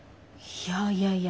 いやいやいや